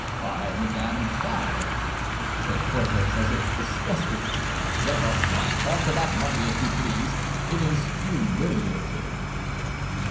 "Fie, madame, fie!" said Porthos, as if disgusted. "Let us not talk about money, if you please; it is humiliating."